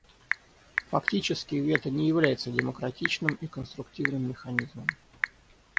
Фактически, вето не является демократичным и конструктивным механизмом.